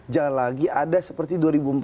jangan lagi ada seperti